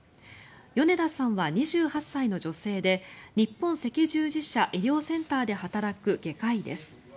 米田さんは２８歳の女性で日本赤十字社医療センターで働く外科医です。